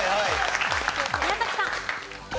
宮崎さん。